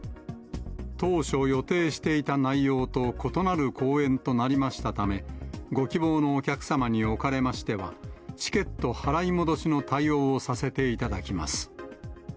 当初予定していた内容と異なる公演となりましたため、ご希望のお客様におかれましては、チケット払い戻しの対応をさせていただきます。